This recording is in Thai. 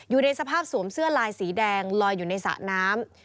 อยู่ในสภาพสวมเสื้อลายสีแดงลอยอยู่ในสระน้ำ